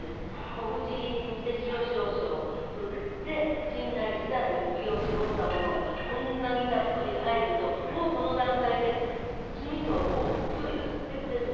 小口切りにして塩少々ふってしんなりしたら水けを絞ったものがこんなにたっぷり入るともうこの段階で酢みそをきゅうりが吸ってくれるのね。